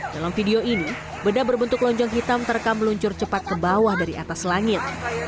dalam video ini beda berbentuk lonjong hitam terekam meluncur cepat ke bawah dari atas langit